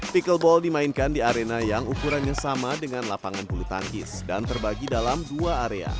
pickleball dimainkan di arena yang ukurannya sama dengan lapangan bulu tangkis dan terbagi dalam dua area